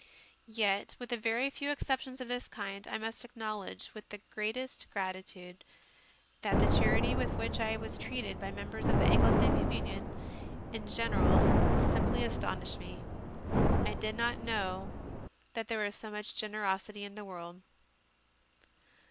Yet, with a very few exceptions of this kind, I must acknowledge with the greatest gratitude that the charity with which I was treated by members of the Anglican communion in general simply as tonished me. I did not know that there was so much generosity in the world.